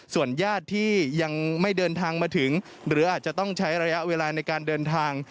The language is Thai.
ส่วนญาติที่ยังไม่เดินทางมาถึงหรืออาจจะต้องใช้ระยะเวลาในการเดินทาง